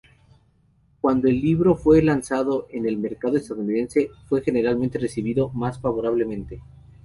Cuando el libro fue lanzado en el mercado estadounidense fue generalmente recibido más favorablemente.